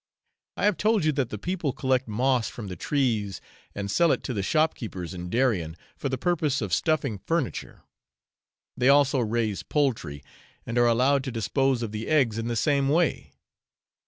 I have told you that the people collect moss from the trees and sell it to the shopkeepers in Darien for the purpose of stuffing furniture; they also raise poultry, and are allowed to dispose of the eggs in the same way.